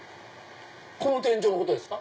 この天井のことですか？